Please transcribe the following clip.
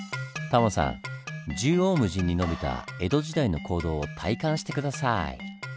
縦横無尽に延びた江戸時代の坑道を体感して下さい。